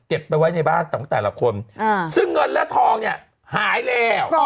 ไปไว้ในบ้านของแต่ละคนซึ่งเงินและทองเนี่ยหายแล้ว